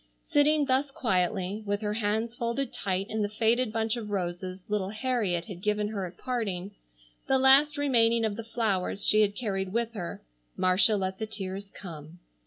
Sitting thus quietly, with her hands folded tight in the faded bunch of roses little Harriet had given her at parting, the last remaining of the flowers she had carried with her, Marcia let the tears come.